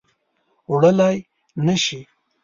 وړلای نه شي